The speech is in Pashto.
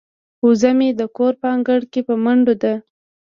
وزه مې د کور په انګړ کې په منډو ده.